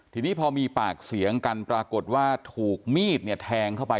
ทีนี้พอมีปากเสียงกันปรากฏว่าถูกมีดเนี่ยแทงเข้าไป